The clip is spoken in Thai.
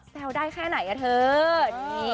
แซวได้แค่ไหนอะเถอะ